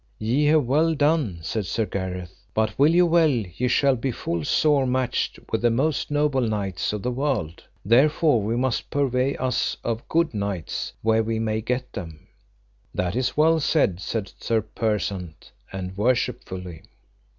Ye have well done, said Sir Gareth; but wit you well ye shall be full sore matched with the most noble knights of the world; therefore we must purvey us of good knights, where we may get them. That is well said, said Sir Persant, and worshipfully.